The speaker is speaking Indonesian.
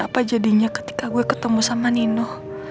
apa jadinya ketika gue ketemu sama nino